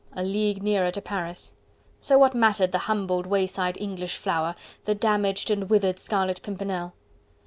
a league nearer to Paris. So what mattered the humbled wayside English flower? the damaged and withered Scarlet Pimpernel?...